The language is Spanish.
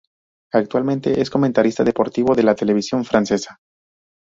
Actualmente es un comentarista deportivo de la televisión francesa.